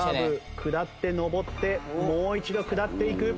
下って上ってもう一度下っていく。